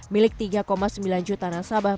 milik tiga sembilan juta nasabah